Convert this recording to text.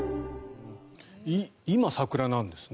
今、桜なんですね。